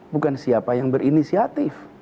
bukan siapa yang berinisiatif